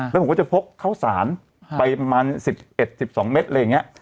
แล้วผมก็จะพกเข้าสารไปประมาณ๑๑๑๒เม็ดอะไรอย่างนี้